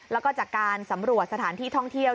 แล้วก็จากการสำรวจสถานที่ท่องเที่ยว